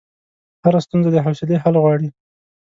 هره ستونزه د حوصلې حل غواړي.